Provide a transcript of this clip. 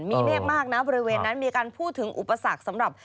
มีเมฆมากนะบริเวณนั้นมีการพูดถึงอุปสรรคสำหรับ